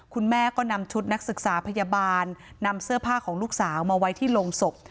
คุณแม่ก็นำชุดนักศึกษาพยาบาลนำเสื้อผ้าของลูกสาวมาไว้ที่โรงศพ